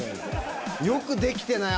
よく出来てない？